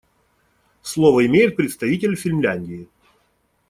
Слово имеет представитель Финляндии.